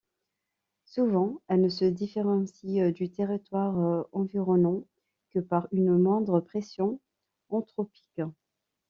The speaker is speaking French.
Souvent elle ne se différencie du territoire environnant que par une moindre pression anthropique.